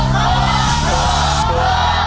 ถูกครับ